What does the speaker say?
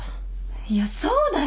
いやそうだよ。